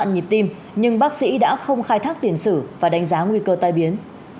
nhưng bác sĩ đã không khai thác tiền xử và đánh giá nguy cơ tai biến